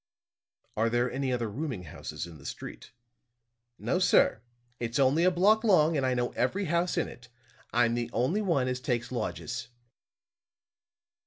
"Are there any other rooming houses in the street?" "No, sir. It's only a block long, and I know every house in it. I'm the only one as takes lodgers."